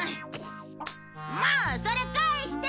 もうそれ返して！